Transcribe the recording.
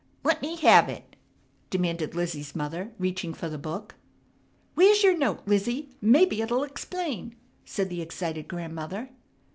"Let me have it!" demanded Lizzie's mother, reaching for the book. "Where's yer note, Lizzie, mebbe it'll explain," said the excited Grandmother.